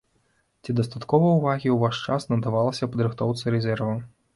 Ці дастаткова ўвагі ў ваш час надавалася падрыхтоўцы рэзерву?